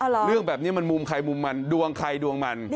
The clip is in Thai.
อร่อยเรื่องแบบนี้มันมุมไข่มุมมันดวงไข่ดวงมัน